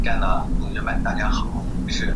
与零售最大的不同在于商品。